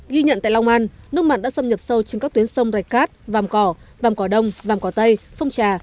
ghi nhận tại long an nước mặn đã xâm nhập sâu trên các tuyến sông rạch cát vàm cỏ vàm cỏ đông vàm cỏ tây sông trà